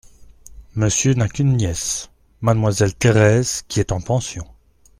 Monsieur n’a qu’une nièce : mademoiselle Thérèse, qui est en pension…